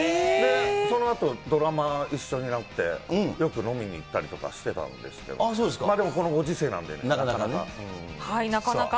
そのあと、ドラマ一緒になって、よく飲みに行ったりとかしてたんですけど、でも、なかなかね。